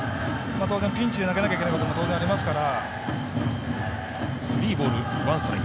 当然、ピンチで投げなきゃいけないこともありますから。